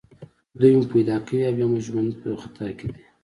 دوی مو پیدا کوي او بیا مو ژوند په خطر کې دی